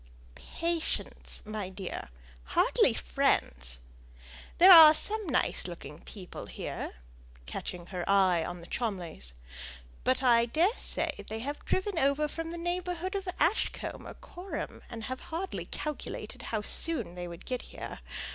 "Patients, my dear hardly friends. There are some nice looking people here," catching her eye on the Cholmleys; "but I daresay they have driven over from the neighbourhood of Ashcombe or Coreham, and have hardly calculated how soon they would get here.